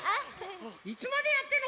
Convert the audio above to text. いつまでやってんの？